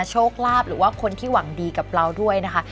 โชคลาภหรือว่าคนที่หวังดีกับเราด้วยนะคะ